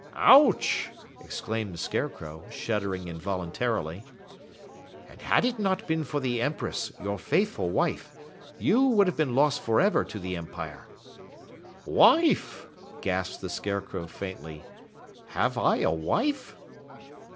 "Ouch!" exclaimed the Scarecrow, shuddering involuntarily. "And had it not been for the Empress, your faithful wife, you would have been lost forever to the Empire." "Wife?" gasped the Scarecrow faintly. "Have I a wife?"